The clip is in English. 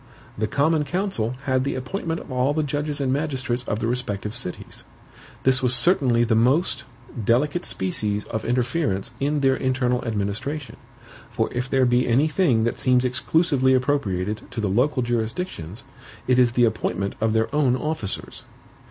The COMMON COUNCIL had the appointment of all the judges and magistrates of the respective CITIES. This was certainly the most, delicate species of interference in their internal administration; for if there be any thing that seems exclusively appropriated to the local jurisdictions, it is the appointment of their own officers.